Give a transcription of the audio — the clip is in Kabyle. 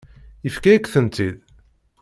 Yefka-yak-tent-id.